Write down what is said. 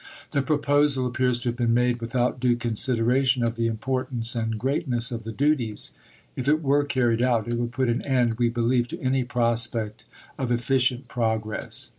The proposal appears to have been made without due consideration of the importance and greatness of the duties; if it were carried out, it would put an end, we believe, to any prospect of efficient progress.